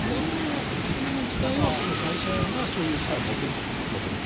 建物自体は、この会社が所有している建物なんですか？